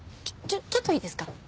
ちょちょっといいですか？